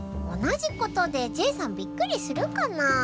おなじことでジェイさんびっくりするかな？